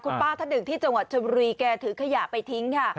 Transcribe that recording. คุณป้าท่านหนึ่งที่จังหวัดชนบุรีแกถือขยะไปทิ้งค่ะ